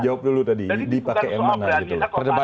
jadi bukan soal peranjian atau peraturan